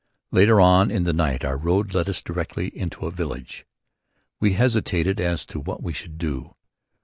Later on in the night our road led us directly into a village. We hesitated as to what we should do.